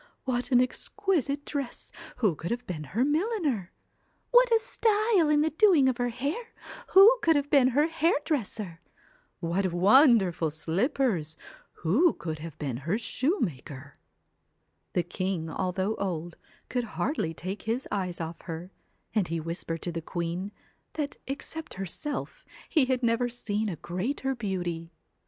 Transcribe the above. what an exquisite dress who could have been her milliner ? What a style in the doing of her hair who could have been her hairdresser? What wonderful slippers, who could have been her shoemaker?' The king, although old, could hardly take his eyes off her, and he whispered to the queen, that except herself, he had never seen a greater beauty.